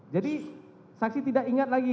jadi saksi tidak ingat lagi